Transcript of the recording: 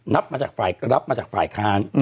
นับมาจากฝ่ายรับมาจากฝ่ายค้าน